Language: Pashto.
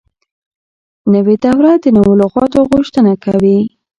نوې دوره د نوو لغاتو غوښتنه کوي.